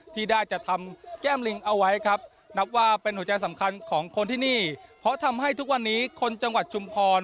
ติดตามรายงานได้จากคุณธนรัฐฝนูนไทยกรุณ